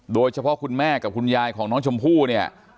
คุณแม่กับคุณยายของน้องชมพู่เนี่ย